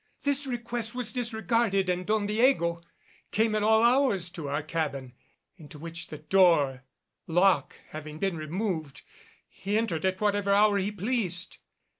This request was disregarded and Don Diego came at all hours to our cabin, into which, the door lock having been removed, he entered at whatever hour he pleased."